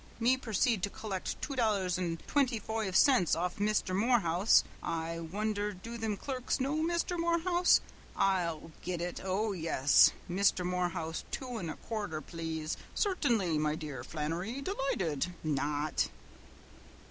Me proceed to collect two dollars and twinty foive cints off Misther Morehouse! I wonder do thim clerks know Misther Morehouse? I'll git it! Oh, yes! 'Misther Morehouse, two an' a quarter, plaze.' 'Cert'nly, me dear frind Flannery. Delighted!' Not!"